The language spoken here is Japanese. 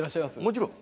もちろん。